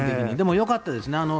でもよかったです。